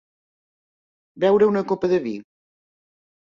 Beure una copa de vi.